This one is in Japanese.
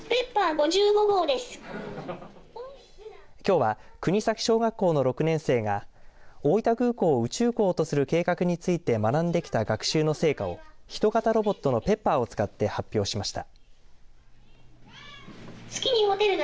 きょうは国東小学校の６年生が大分空港を宇宙港とする計画について学んできた学習の成果を人型ロボットのｐｅｐｐｅｒを使って発表しました。